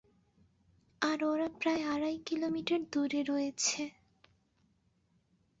আর ওরা প্রায় আড়াই কিলোমিটার দূরে রয়েছে।